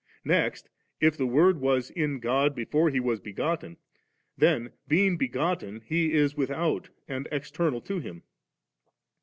Next, if the Word was in God before He was begotten, then being begotten He is without and external to Him.